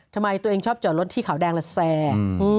ทำไมตัวเองชอบจอดรถที่ขาวแดงละแซ